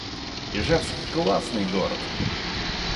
Ижевск — классный город